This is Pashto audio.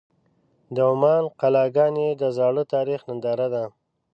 د عمان قلعهګانې د زاړه تاریخ ننداره ده.